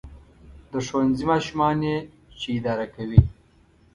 • د ښوونځي ماشومان یې چې اداره کوي.